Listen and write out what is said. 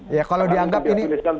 iya kalau dianggap ini